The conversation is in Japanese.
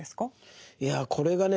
いやこれがね